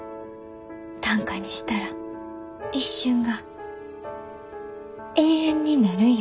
短歌にしたら一瞬が永遠になるんやんな？